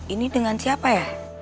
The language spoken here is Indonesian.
ini dengan siapa ya